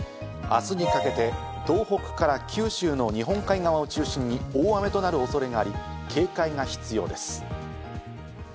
明日にかけて東北から九州の日本海側を中心に大雨となる恐れがあり、警戒が必要です。